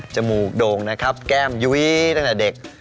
มูกโด่งนะครับแก้มยุ้ยตั้งแต่เด็ก